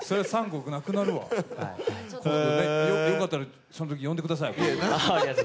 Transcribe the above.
よかったらそんとき呼んでください。